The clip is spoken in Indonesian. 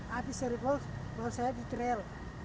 habis set box baru saya di trail